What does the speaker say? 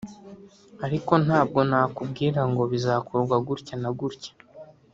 ariko nta bwo nakubwira ngo bizakorwa gutya na gutya